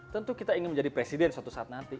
tentu kita ingin menjadi presiden suatu saat nanti